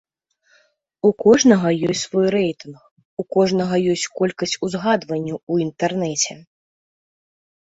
У кожнага ёсць свой рэйтынг, у кожнага ёсць колькасць узгадванняў ў інтэрнэце.